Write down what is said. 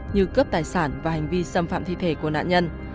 như cướp tài sản và hành vi xâm phạm thi thể của nạn nhân